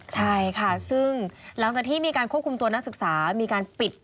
ใช่ค่ะซึ่งหลังจากที่มีการควบคุมตัวนักศึกษามีการปิด